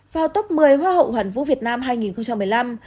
vào tốc một mươi hoa hậu hàn vũ việt nam hai nghìn một mươi năm